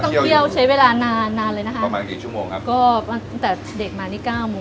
เที่ยวใช้เวลานานนานเลยนะคะประมาณกี่ชั่วโมงครับก็ตั้งแต่เด็กมานี่เก้าโมง